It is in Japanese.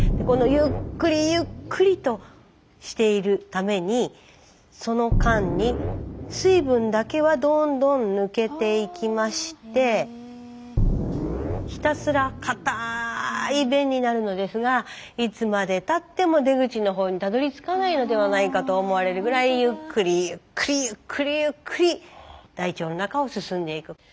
このゆっくりゆっくりとしているためにその間に水分だけはどんどん抜けていきましてひたすらかたい便になるのですがいつまでたっても出口のほうにたどりつかないのではないかと思われるぐらいゆっくりゆっくりゆっくりゆっくり大腸の中を進んでいく。